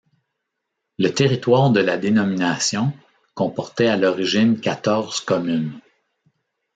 Le territoire de la dénomination comportait à l’origine quatorze communes.